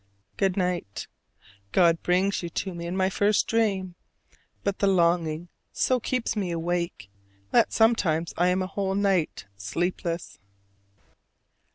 Good night! God brings you to me in my first dream: but the longing so keeps me awake that sometimes I am a whole night sleepless.